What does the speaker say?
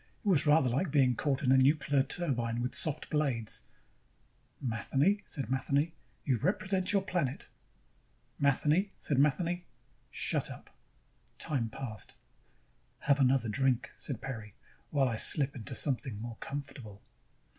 It was rather like being caught in a nuclear turbine with soft blades. Matheny, said Matheny, you represent your planet. Matheny, said Matheny, shut up. Time passed. "Have another drink," said Peri, "while I slip into something more comfortable."